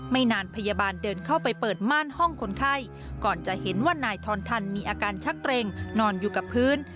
ไม่นานพยาบาลเดินเข้าไปเปิดม่านห้องคนไข้ก่อนจะเห็นว่านายทอนทันมีอาการชักเกร็งนอนอยู่กับพื้น